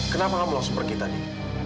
kenapa kamu langsung pergi tadi